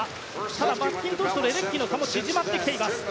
ただ、マッキントッシュとレデッキーの差も縮まってきています。